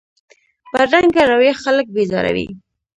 بدرنګه رویه خلک بېزاروي